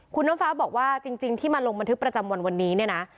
คุณน้ำฟ้าบอกว่าจริงที่มาลงบันทึกประจำวันวันนี้เนี่ยนะ